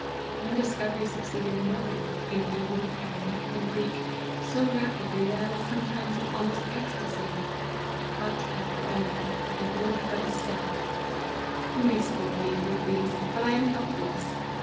One discovery succeeded another, in Hebrew, Arabic, and Greek, so rapidly, that I was some times in almost ecstasy ; but after all, I have moved but a step : you may scold me if you please, but i am helpless.